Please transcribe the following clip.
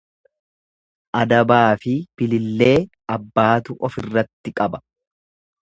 Adabaafi bilillee abbaatu ofirratti qaba.